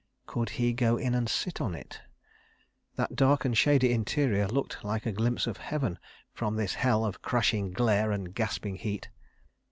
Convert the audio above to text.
Could he go in and sit on it? That dark and shady interior looked like a glimpse of heaven from this hell of crashing glare and gasping heat.